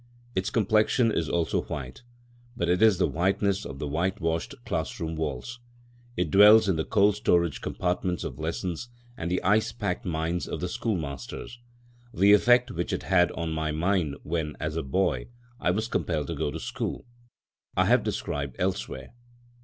Its complexion is also white, but it is the whiteness of the white washed class room walls. It dwells in the cold storage compartments of lessons and the ice packed minds of the schoolmasters. The effect which it had on my mind when, as a boy, I was compelled to go to school, I have described elsewhere.